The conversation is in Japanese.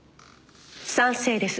賛成です。